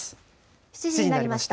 ７時になりました。